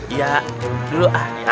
iya dulu aja